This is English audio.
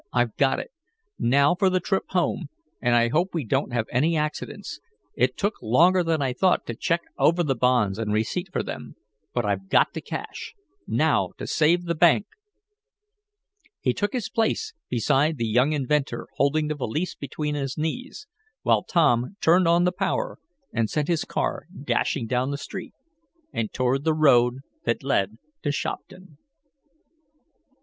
"I've got it. Now for the trip home, and I hope we don't have any accidents. It took longer than I thought to check over the bonds and receipt for them. But I've got the cash. Now to save the bank!" He took his place beside the young inventor, holding the valise between his knees, while Tom turned on the power and sent his car dashing down the street, and toward the road that led to Shopton.